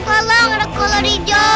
tolong ada kolor hijau